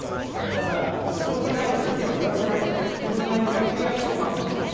だから調査内容に意見は言わせないというような契約書をまくんですね。